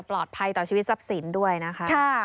ปลอดภัยต่อชีวิตทรัพย์สินด้วยนะคะ